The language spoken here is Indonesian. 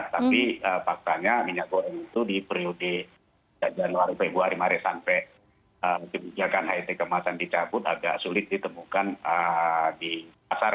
tapi faktanya minyak goreng itu di periode januari februari maret sampai kebijakan het kemasan dicabut agak sulit ditemukan di pasar